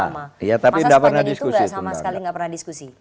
masa sepanjang itu gak sama sekali gak pernah diskusi